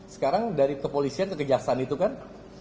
sekarang dari kepolisian ke kejaksaan bang